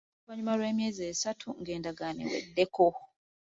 Oluvannyuma lw'emyezi esatu ng'Endagaano Esembayo eweddeko.